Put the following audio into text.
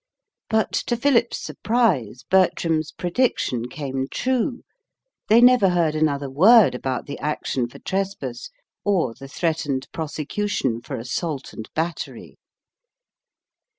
But, to Philip's surprise, Bertram's prediction came true; they never heard another word about the action for trespass or the threatened prosecution for assault and battery.